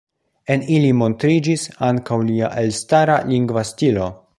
En ili montriĝis ankaŭ lia elstara lingva stilo.